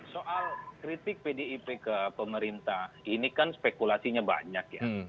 soal kritik pdip ke pemerintah ini kan spekulasinya banyak ya